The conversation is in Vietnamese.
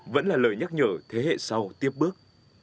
vẫn là lời nhắc nhở thế hệ sau tiếp bước